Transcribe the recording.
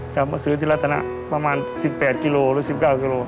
จะมาซื้อที่รัฐนะประมาณ๑๘กิโลหรือ๑๙กิโล